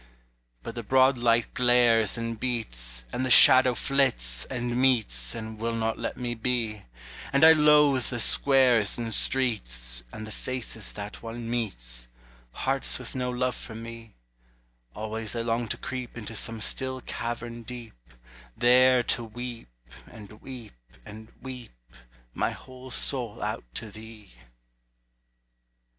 But the broad light glares and beats, And the shadow flits and Meets And will not let me be; And I loathe the squares and streets, And the faces that one meets, Hearts with no love for me; Always I long to creep Into some still cavern deep, There to weep, and weep, and weep My whole soul out to thee.